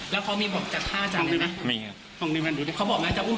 อ๋อแล้วเขามีบอกจะฆ่าจังใช่ไหม